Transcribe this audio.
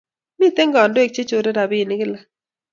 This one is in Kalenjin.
Miten kandoik che chore rapinik kila